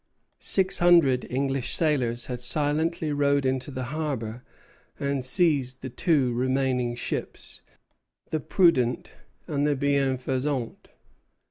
Six hundred English sailors had silently rowed into the harbor and seized the two remaining ships, the "Prudent" and the "Bienfaisant."